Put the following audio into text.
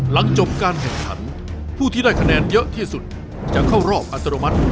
หลังจบการแข่งขันผู้ที่ได้คะแนนเยอะที่สุดจะเข้ารอบอัตโนมัติ